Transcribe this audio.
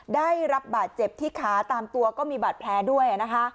ได้รับบาดเจ็บที่ขาตามตัวก็มีบาดแผลด้วยนะคะ